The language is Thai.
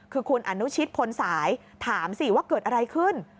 คือคุณอนุชิตพลสายถามสิว่าเกิดอะไรขึ้น